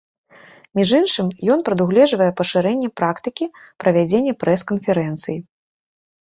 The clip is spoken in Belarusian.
Між іншым ён прадугледжвае пашырэнне практыкі правядзення прэс-канферэнцый.